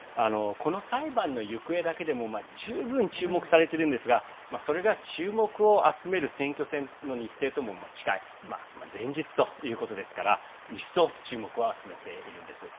この裁判の行方だけでも十分、注目されているのですがそれが注目を集める選挙戦の日程とも近い前日ということですから一層、注目を集めているんです。